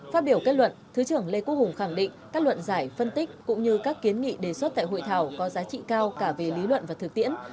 phát biểu kết luận thứ trưởng lê quốc hùng khẳng định các luận giải phân tích cũng như các kiến nghị đề xuất tại hội thảo có giá trị cao cả về lý luận và thực tiễn